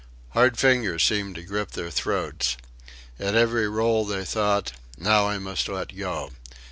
Hard fingers seemed to grip their throats. At every roll they thought: Now I must let go.